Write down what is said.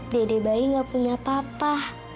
dede bayi gak punya papa